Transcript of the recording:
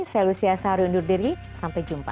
saya lucia sahari undur diri sampai jumpa